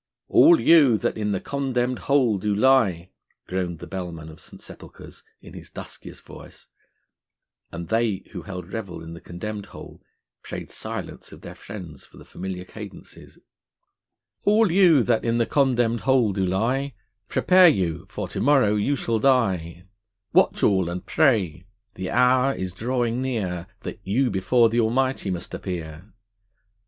'All you that in the condemn'd hole do lie,' groaned the Bellman of St. Sepulchre's in his duskiest voice, and they who held revel in the condemned hole prayed silence of their friends for the familiar cadences: All you that in the condemn'd hole do lie, Prepare you, for to morrow you shall die, Watch all and pray, the hour is drawing near, That you before th' Almighty must appear.